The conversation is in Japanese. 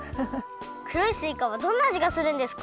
くろいすいかはどんなあじがするんですか？